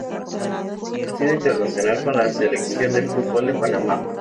Ha sido internacional con la Selección de fútbol de Panamá.